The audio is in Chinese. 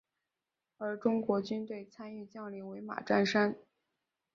而中国军队参与将领为马占山。